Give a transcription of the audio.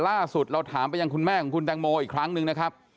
ล่าสุดเราถามไปยังคุณแม่ของคุณแตงโมอีกครั้งหนึ่งนะครับ